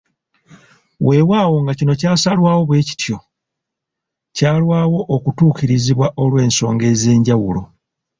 Weewaawo nga kino kyasalwawo bwe kityo, kyalwawo okutuukirizibwa olw’ensonga ez’enjawulo.